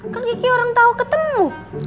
kan kiki orang tahu ketemu